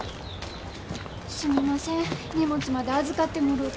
すみません荷物まで預かってもろうて。